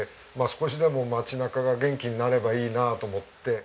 少しでも街中が元気になればいいなと思って。